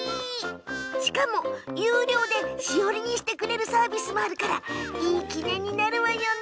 しかも有料でしおりにしてくれるサービスもあるからいい記念になるわよね。